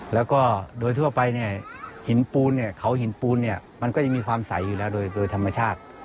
แล้วก็โดยทั่วไปเนี่ยหินปูนเนี่ยเขาหินปูนเนี่ยมันก็ยังมีความใสอยู่แล้วโดยธรรมชาติ